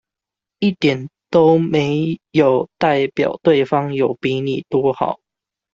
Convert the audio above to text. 一點都沒有代表對方有比你多好